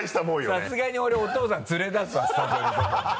さすがに俺お父さん連れ出すわスタジオの外に。